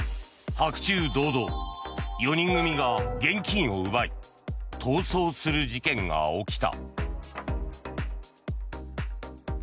白昼堂々、４人組が現金を奪い逃走する事件が起きた。